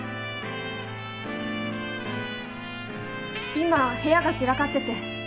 今部屋が散らかってて。